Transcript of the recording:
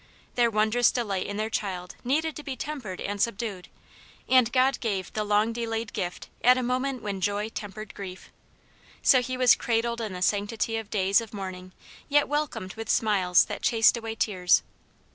Their wondrous delight in their child needed to be tempered and subdued, and God gave the long delayed gift at a moment when joy tempered grief* So he was cradled in the sanctity of days of mourn ing, yet welcomed with smiles that chased away tears.